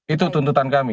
itu tuntutan kami